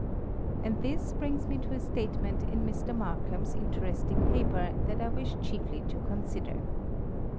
And this brings me to a statement in Mr Markham/'s interest ing paper that I wish chiefly to consider.